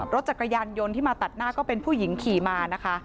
รถจักรยานยนต์ที่มาตัดหน้าก็เป็นผู้หญิงขี่มานะคะ